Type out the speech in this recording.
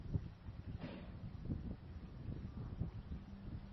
Nyní začínáme mít starosti s nedostatkem pracovních sil.